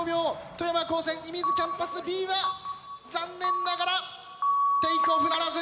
富山高専射水キャンパスＢは残念ながらテイクオフならず。